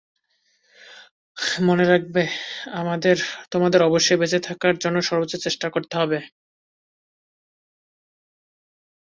মনে রাখবে, তোমাদের অবশ্যই বেঁচে থাকার জন্য সর্বোচ্চ চেষ্টা করতে হবে।